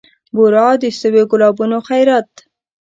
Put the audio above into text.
بورا د سویو ګلابونو خیرات